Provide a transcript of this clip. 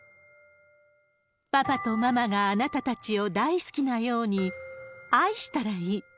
パパとママがあなたたちを大好きなように、愛したらいい。